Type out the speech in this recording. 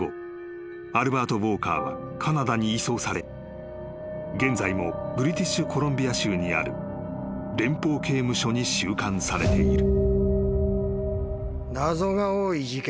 ［アルバート・ウォーカーはカナダに移送され現在もブリティッシュ・コロンビア州にある連邦刑務所に収監されている］